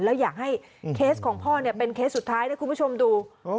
แล้วอยากให้เคสของพ่อเนี่ยเป็นเคสสุดท้ายให้คุณผู้ชมดู